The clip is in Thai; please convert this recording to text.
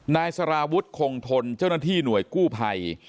นายสารวุฒิคงทนเจ้าหน้าที่หน่วยกู้ภัย